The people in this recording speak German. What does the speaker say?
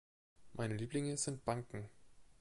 Meine Lieblinge sind Banken.